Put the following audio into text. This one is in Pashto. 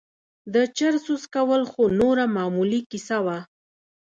د چرسو څکول خو نوره معمولي کيسه وه.